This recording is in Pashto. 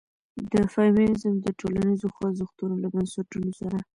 د فيمنيزم د ټولنيزو خوځښتونو له بنسټونو سره